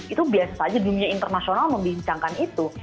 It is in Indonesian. itu biasa saja dunia internasional membincangkan itu